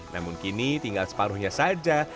namun kini tinggal separuhnya saja